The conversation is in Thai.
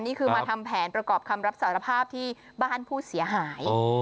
นี่คือมาทำแผนประกอบคำรับสารภาพที่บ้านผู้เสียหาย